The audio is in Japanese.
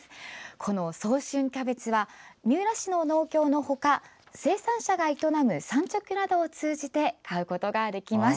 この早春キャベツは三浦市の農協のほか生産者が営む産直などを通じて買うことができます。